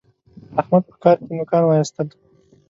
احمد په کار کې نوکان واېستل.